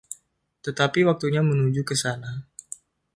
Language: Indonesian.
Tetapi waktunya menuju ke sana.